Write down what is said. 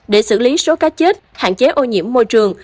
để xử lý số cá chết hạn chế ô nhiễm môi trường